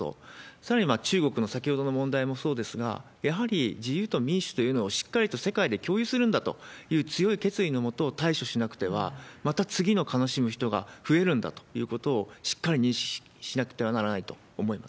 さらに中国の先ほどの問題もそうですが、やはり自由と民主というのをしっかりと世界で共有するんだという強い決意の下、対処しなくては、また次の悲しむ人が増えるんだということを、しっかり認識しなくてはならないと思います。